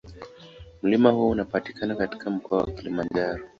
Mlima huo unapatikana katika Mkoa wa Kilimanjaro.